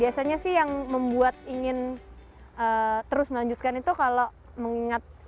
biasanya sih yang membuat ingin terus melanjutkan itu kalau mengingat ibu ibu kita